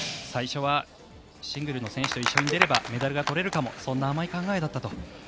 最初はシングルの選手と一緒に出ればメダルが取れるかもそんな甘い考えだったと。